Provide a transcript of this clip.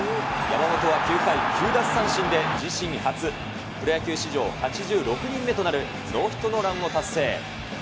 山本は９回９奪三振で自身初、プロ野球史上８６人目となるノーヒットノーランを達成。